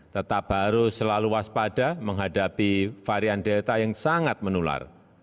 tetap harus selalu waspada menghadapi varian delta yang sangat menular